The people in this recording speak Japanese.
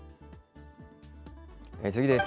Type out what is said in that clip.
次です。